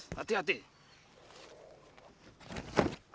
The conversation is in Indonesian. ayo nak kita lanjutkan perjalanan kita